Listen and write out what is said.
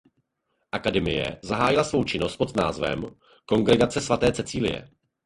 Akademie zahájila svou činnost pod názvem "Kongregace svaté Cecilie".